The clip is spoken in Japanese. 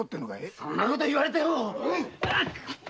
そんなこと言われても。